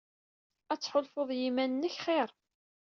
Ad tḥulfuḍ i yiman-nnek xir.